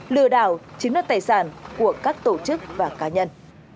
lừa đảo chiếm đoạt tài sản của các tổ chức và cá nhân